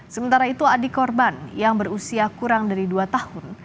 sementara itu adik korban yang berusia kurang dari dua tahun